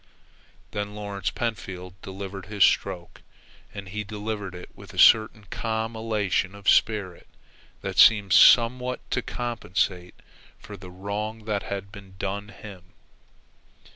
Then Lawrence Pentfield delivered his stroke, and he delivered it with a certain calm elation of spirit that seemed somewhat to compensate for the wrong that had been done him.